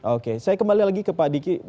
oke saya kembali lagi ke pak diki